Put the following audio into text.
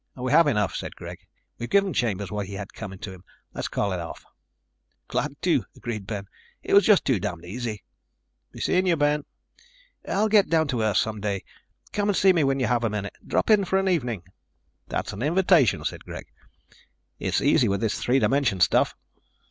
"We have enough," said Greg. "We've given Chambers what he had coming to him. Let's call it off." "Glad to," agreed Ben. "It was just too damned easy." "Be seeing you, Ben." "I'll get down to Earth some day. Come see me when you have a minute. Drop in for an evening." "That's an invitation," said Greg. "It's easy with this three dimension stuff."